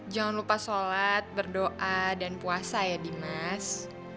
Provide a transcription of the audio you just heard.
jangan lupa sholat berdoa dan puasa ya dimas